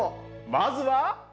まずは。